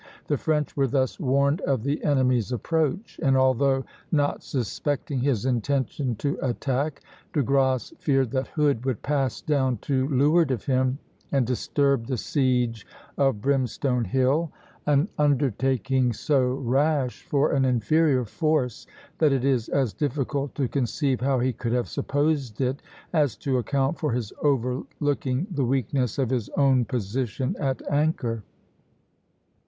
The French were thus warned of the enemy's approach, and although not suspecting his intention to attack, De Grasse feared that Hood would pass down to leeward of him and disturb the siege of Brimstone Hill, an undertaking so rash for an inferior force that it is as difficult to conceive how he could have supposed it, as to account for his overlooking the weakness of his own position at anchor.